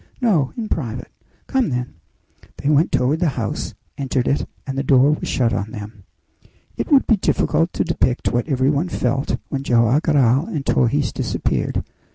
"No; in private." "Come, then." They went toward the house, entered it, and the door was shut on them. It would be difficult to depict what every one felt when Joam Garral and Torres disappeared.